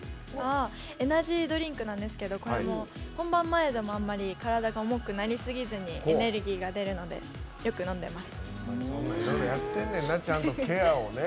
エナジードリンクなんですけどこれも、本番前でもあんまり体が重くなりすぎずにエネルギーが出るのでいろいろやってんねんな。